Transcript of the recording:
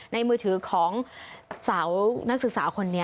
มือถือของสาวนักศึกษาคนนี้